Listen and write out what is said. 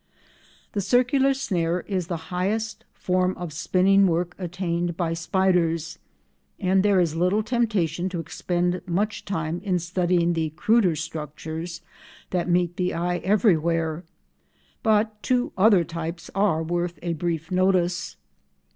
The circular snare is the highest form of spinning work attained by spiders, and there is little temptation to expend much time in studying the cruder structures that meet the eye everywhere, but two other types are worth a brief notice.